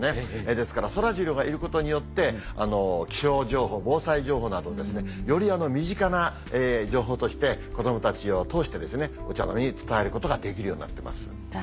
ですからそらジローがいることによって気象情報防災情報などをより身近な情報として子供たちを通してお茶の間に伝えることができるようになってます。